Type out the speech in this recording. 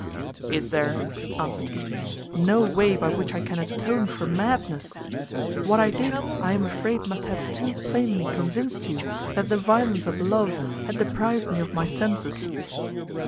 "Is there," answered he, "no way by which I can atone for madness? what I did I am afraid must have too plainly convinced you, that the violence of love had deprived me of my senses."